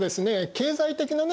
経済的なね